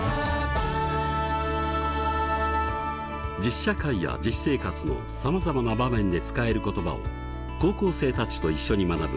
実社会や実生活のさまざまな場面で使える言葉を高校生たちと一緒に学ぶ